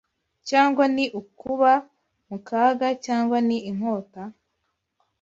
cyangwa ni ukuba mu kaga, cyangwa ni inkota?